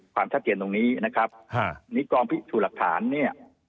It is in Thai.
ความชัดเจนตรงนี้นะครับนี่กองพิสูจน์หลักฐานเนี่ย